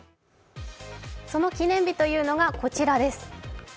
その記念日というのがこちらです。